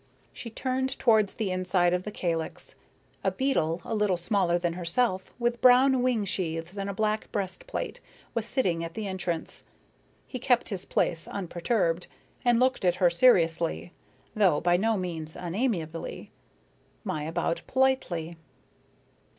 She turned towards the inside of the calix. A beetle, a little smaller than herself, with brown wing sheaths and a black breastplate, was sitting at the entrance. He kept his place unperturbed, and looked at her seriously, though by no means unamiably. Maya bowed politely.